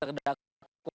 terhadap penuntut umum